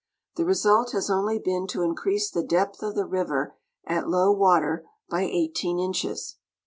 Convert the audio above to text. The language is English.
The result has only been to increase the depth of the river at low water by 18 inches.